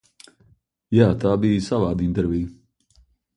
Jā, tā bija savāda intervija.